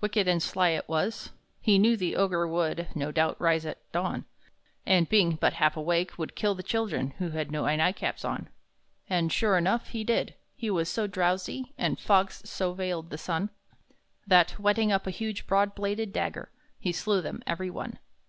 Wicked and sly it was; he knew the Ogre Would, no doubt, rise at dawn, And, being but half awake, would kill the children Who had no night caps on. And, sure enough, he did! He was so drowsy, And fogs so veiled the sun, That, whetting up a huge, broad bladed dagger, He slew them, every one.